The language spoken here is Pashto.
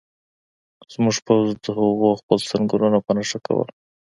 زموږ پوځ د هغوی خپل سنګرونه په نښه کول